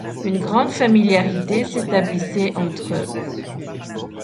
Une grande familiarité s'établissait entre eux.